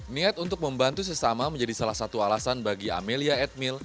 niat untuk membantu sesama menjadi salah satu alasan bagi amelia edmil